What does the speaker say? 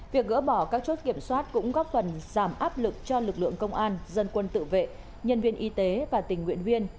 việc gỡ bỏ các chốt kiểm soát cũng góp phần giảm áp lực cho lực lượng công an dân quân tự vệ nhân viên y tế và tình nguyện viên